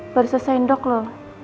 baru selesain dok lo